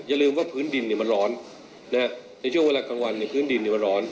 อย่าลืมว่าพื้นดินมันร้อนในช่วงเวลากลางวันพื้นดินมันร้อน